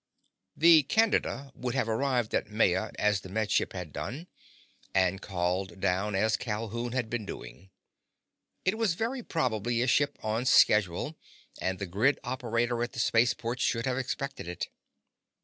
The Candida would have arrived off Maya as the Med Ship had done, and called down as Calhoun had been doing. It was very probably a ship on schedule and the grid operator at the spaceport should have expected it.